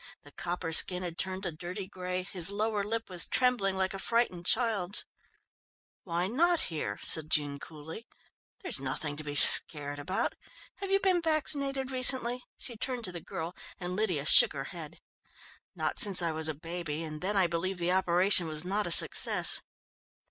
The copper skin had turned a dirty grey, his lower lip was trembling like a frightened child's. "Why not here?" said Jean coolly, "there is nothing to be scared about. Have you been vaccinated recently?" she turned to the girl, and Lydia shook her head. "Not since I was a baby and then I believe the operation was not a success."